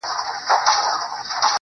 o هر وختي ته نـــژدې كـيــږي دا.